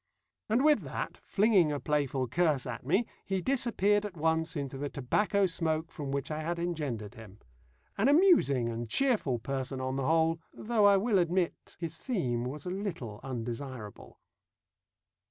And with that, flinging a playful curse at me, he disappeared at once into the tobacco smoke from which I had engendered him. An amusing and cheerful person on the whole, though I will admit his theme was a little undesirable.